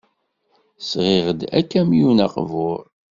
Sɣiɣ-d akamyun aqbur.